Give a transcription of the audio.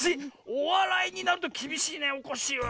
おわらいになるときびしいねおこっしぃは。